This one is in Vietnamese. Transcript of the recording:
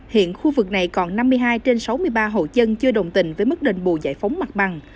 hiện khu vực này còn năm mươi hai trên sáu mươi ba hộ dân chưa đồng tình với mức đền bù giải phóng mặt bằng